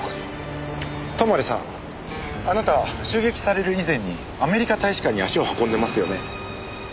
泊さんあなた襲撃される以前にアメリカ大使館に足を運んでますよね？